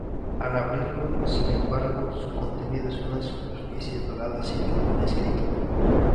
Al abrirlo, sin embargo, su contenido es una superficie dorada sin ninguna escritura.